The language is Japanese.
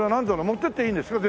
持ってっていいんですか？